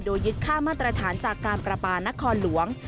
โดยยึดค่ามาตรฐานจากการประปานครหลวง